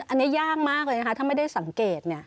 อันนี้ยากมากเลยนะคะถ้าไม่ได้สังเกต